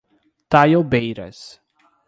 Taiobeiras